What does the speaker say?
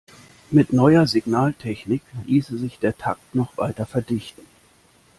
Mit neuer Signaltechnik ließe sich der Takt noch weiter verdichten.